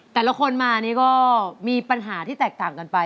แต่ละคนมานี่ก็มีปัญหาที่แตกต่างกันไป